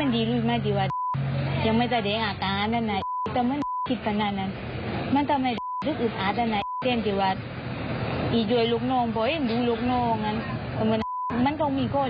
ฟิลสองชาผู้ชมโรงงาน